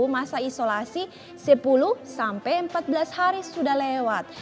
masa isolasi sepuluh sampai empat belas hari sudah lewat